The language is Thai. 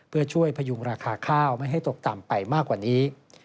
เพื่อช่วยพยุงราคาข้าวไม่ให้ตกต่ำไปมากกว่านี้